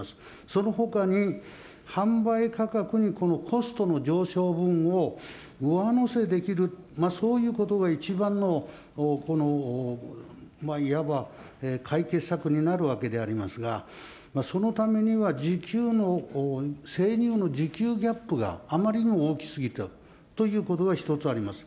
そのほかに、販売価格に、このコストの上昇分を上乗せできる、そういうことが一番のこの、いわば解決策になるわけでありますが、そのためには需給の、生乳の需給ギャップがあまりにも大きすぎたということが一つあります。